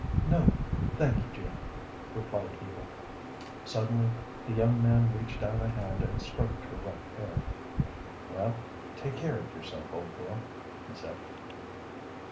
"No; thank you, Jim," replied Eva. Suddenly the young man reached out a hand and stroked her rough hair. "Well, take care of yourself, old girl," he said.